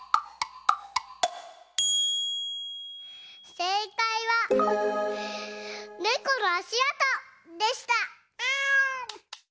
せいかいは「ネコのあしあと」でした！